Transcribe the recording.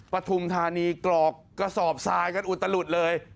ปฐุมธานีกรอกกระสอบทรายกันอุตลุดเลย